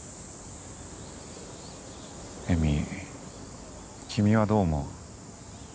詠美君はどう思う？